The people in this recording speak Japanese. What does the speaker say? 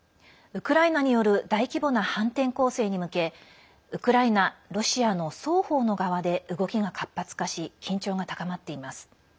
ウクライナによる大規模な反転攻勢に向けウクライナ、ロシアの双方の側で動きが活発化し緊張が高まっています。